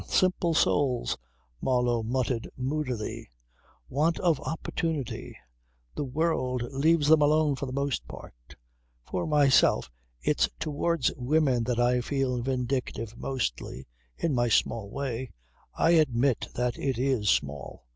"H'm! Simple souls," Marlow muttered moodily. "Want of opportunity. The world leaves them alone for the most part. For myself it's towards women that I feel vindictive mostly, in my small way. I admit that it is small.